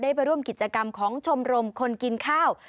ไปร่วมกิจกรรมของชมรมคนกินข้าว